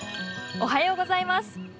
おはようございます。